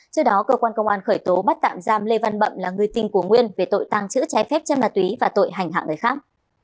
trước đó cơ quan công an khởi tố bắt tạm giam lê văn bậm là người tin của nguyên về tội tăng chữ trái phép trên mặt tùy và tội hành hạ người khác